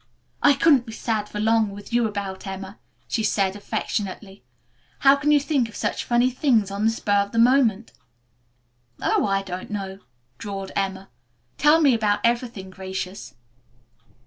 "I couldn't be sad for long with you about, Emma," she said affectionately. "How can you think of such funny things on the spur of the moment?" "Oh, I don't know," drawled Emma. "Tell me about everything, Gracious."